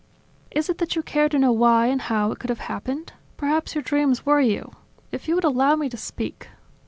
Is it that you care to know why and how it could have happened? Perhaps your dreams worry you?" "If you would allow me to speak